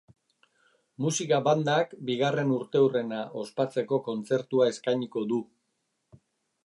Musika bandak bigarren urteurrena ospatzeko kontzertua eskainiko du.